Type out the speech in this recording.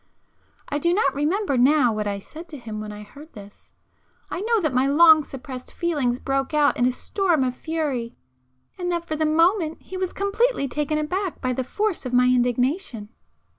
I do not remember now what I said to him when I heard this,—I know that my long suppressed feelings broke out in a storm of fury, and that for the moment he was completely taken aback by the force of my indignation.